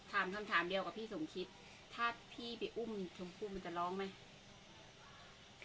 คำถามเดียวกับพี่สมคิดถ้าพี่ไปอุ้มชมพู่มันจะร้องไหม